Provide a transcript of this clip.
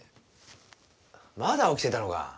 まだ起きてたのか。